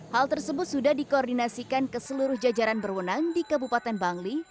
hal tersebut sudah dikoordinasikan ke seluruh jajaran berwenang di kabupaten bangli